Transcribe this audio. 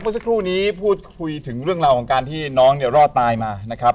เมื่อสักครู่นี้พูดคุยถึงเรื่องราวของการที่น้องเนี่ยรอดตายมานะครับ